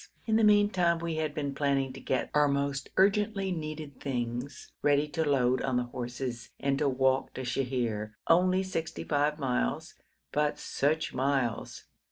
In the meantime we had been planning to get our most urgently needed things ready to load on the horses and to walk to Sheher, only sixty five miles but such miles!